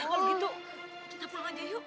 kalau gitu kita pulang aja yuk